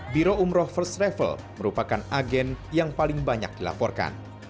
biro umroh first travel merupakan agen yang paling banyak dilaporkan